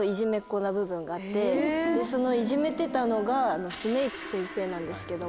な部分があってそのいじめてたのがスネイプ先生なんですけども。